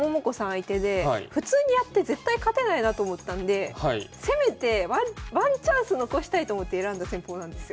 相手で普通にやって絶対勝てないなと思ったんでせめてワンチャンス残したいと思って選んだ戦法なんですよ。